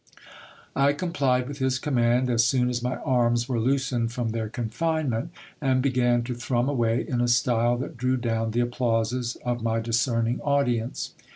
I complied with his command, as soon as my arms were loosened from their confinement, and began to thrum away in a style that drew down the applauses of my discerning audience.